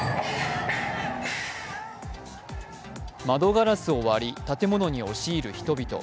窓ガラスを割り、建物に押し入る人々。